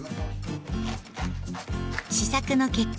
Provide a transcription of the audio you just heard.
試作の結果